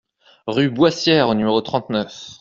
Rue Boissière au numéro trente-neuf